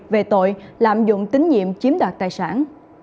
về tội lạm dụng tín nhiệm chiếm đoạt tài sản